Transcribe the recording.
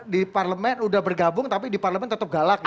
di parlemen udah bergabung tapi di parlemen tetap galak ya